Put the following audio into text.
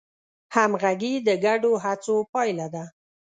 همغږي د ګډو هڅو پایله ده.